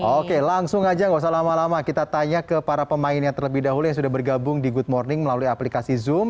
oke langsung aja gak usah lama lama kita tanya ke para pemainnya terlebih dahulu yang sudah bergabung di good morning melalui aplikasi zoom